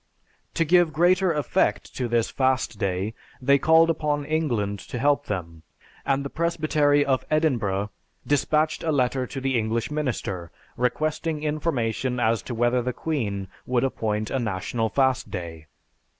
To give greater effect to this fast day, they called upon England to help them, and the Presbytery of Edinburgh dispatched a letter to the English minister, requesting information as to whether the queen would appoint a national fast day.